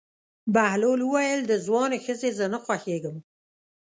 بهلول وویل: د ځوانې ښځې زه نه خوښېږم.